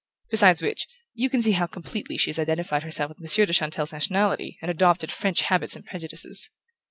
Besides which, you can see how completely she has identified herself with Monsieur de Chantelle's nationality and adopted French habits and prejudices.